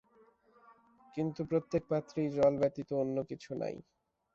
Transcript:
কিন্তু প্রত্যেক পাত্রেই জল ব্যতীত অন্য কিছু নাই।